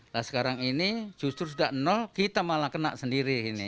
nah sekarang ini justru sudah nol kita malah kena sendiri ini